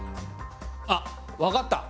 あっわかった！